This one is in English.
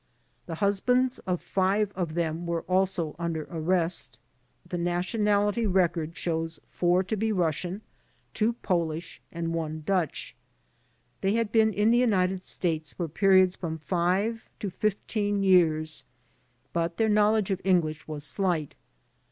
The husbands of 5 of them were also under arrest. The nationality record shows 4 to be Russian, 2 Polish and 1 Dutch. They had been in the United States for periods of from five to fifteen years, but their knowledge of English was slight.